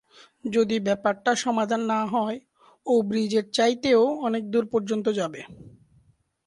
যদি ব্যাপারটা সমাধান না হয়, ও ব্রীজের চাইতেও অনেক দূর পর্যন্ত যাবে।